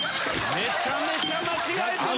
めちゃめちゃ間違えとるやん！